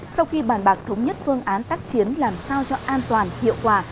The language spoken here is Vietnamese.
sau khi bàn bạc thống nhất phương án tác chiến làm sao cho an toàn hiệu quả